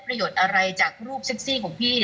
ประโยชน์อะไรจากรูปเซ็กซี่ของพี่